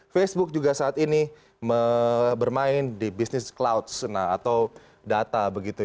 facebook juga saat ini bermain di bisnis clouds atau data begitu